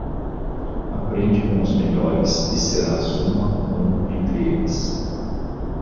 aprende com os melhores e serás uma um entre eles.